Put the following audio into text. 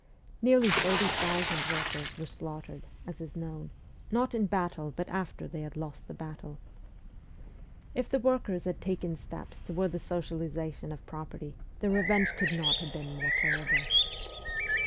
Nearly thirty thousand workers were slaughtered, as is known, not in battle but after they had lost the battle. If the workers had taken steps towards the socialisation of property, the revenge could not have been more terrible.